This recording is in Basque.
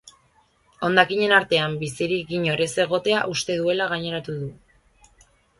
Hondakinen artean bizirik inor ez egotea uste dutela gaineratu du.